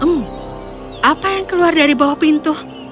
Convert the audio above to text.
hmm apa yang keluar dari bawah pintu